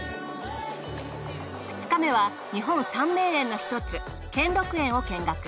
２日目は日本三名園のひとつ兼六園を見学。